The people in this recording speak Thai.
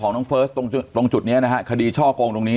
น้องเฟิร์สตรงจุดนี้นะฮะคดีช่อกงตรงนี้